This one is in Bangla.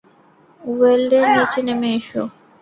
ওয়েন্ডেল, নিচে নেমে এসো।